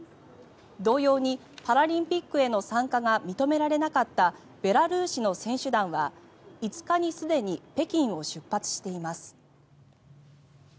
同様にパラリンピックへの参加が認められなかったベラルーシの選手団は５日にすでに北京を出発しています。